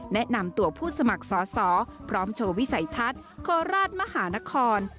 แนะนำตัวผู้สมัครสอสอพร้อมโชว์วิสัยทัศน์โคราชมหานคร